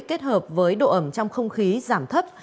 kết hợp với độ ẩm trong không khí giảm thấp